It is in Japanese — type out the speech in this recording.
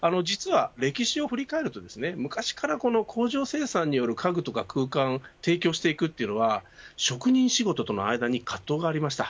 実は、歴史を振り返ると昔から工場生産による家具とか空間を提供していくというのは職人仕事との間に葛藤がありました。